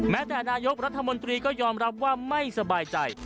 แต่นายกรัฐมนตรีก็ยอมรับว่าไม่สบายใจ